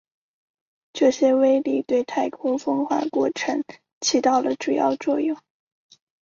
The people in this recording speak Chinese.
这些微粒对太空风化过程起到了主要作用。